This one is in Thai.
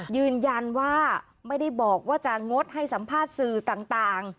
ยืนยันว่าไม่ได้บอกว่าจะงดให้สัมภาษณ์สื่อต่าง